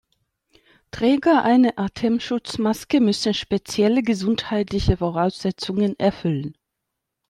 Träger einer Atemschutzmaske müssen spezielle gesundheitliche Voraussetzungen erfüllen.